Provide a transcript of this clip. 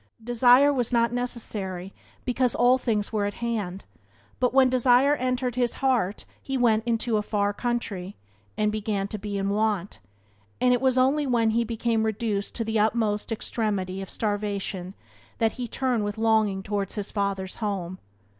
Desire was not necessary, because all things were at hand; but when desire entered his heart he "went into a far country," and "began to be in want," and it was only when he became reduced to the utmost extremity of starvation that he turned with longing towards his father's home.